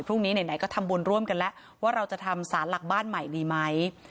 พรุ่งนี้ไหนก็ทำบุญร่วมกันแล้วว่าเราจะทำสารหลักบ้านใหม่ดีไหม